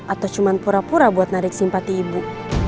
atau cuma pura pura buat narik simpati ibu